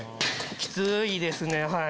きついですねはい。